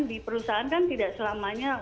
di perusahaan kan tidak selamanya